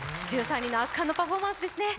１３人の圧巻のパフォーマンスですね。